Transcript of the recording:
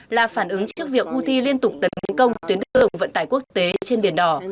là phản ứng trước việc houthi liên tục tấn công tuyến đường vận tải quốc tế trên biển đỏ